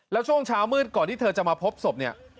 แล้วช่วงเช้ามืดก่อนที่เธอจะมาพบศพเนี่ย